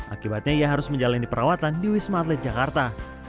akibatnya ia harus menjalani perawatan di wisma atlet jakarta